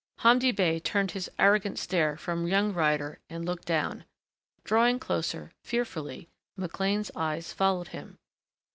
Hamdi Bey turned his arrogant stare from young Ryder and looked down.... Drawing closer, fearfully McLean's eyes followed him.